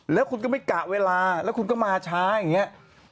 แล้วคุณก็ไม่กะเวลาแล้วคุณก็มาช้าอย่างนี้